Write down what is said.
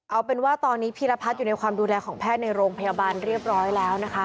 เอาเป็นว่าตอนนี้พีรพัฒน์อยู่ในความดูแลของแพทย์ในโรงพยาบาลเรียบร้อยแล้วนะคะ